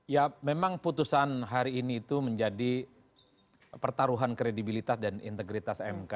ya memang putusan hari ini itu menjadi pertaruhan kredibilitas dan integritas mk